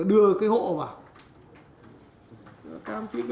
đưa cái hộ vào